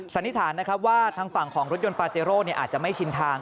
สันนิษฐานนะครับว่าทางฝั่งของรถยนต์ปาเจโร่อาจจะไม่ชินทาง